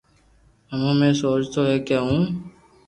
ھمو ۾ سوچئو ھي ڪي ھون